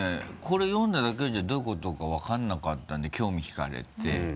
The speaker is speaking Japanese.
これ読んだだけじゃどういう事か分からなかったんで興味引かれて。